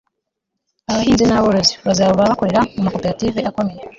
abahinzi n'aborozi bazaba bakorera mu makoperative akomeye